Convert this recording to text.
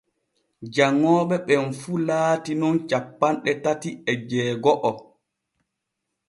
Janŋooɓe ɓen fu laati nun cappanɗe tati e jeego’o.